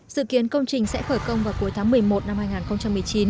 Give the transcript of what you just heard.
dự kiến công trình sẽ khởi công vào cuối tháng một mươi một năm hai nghìn một mươi chín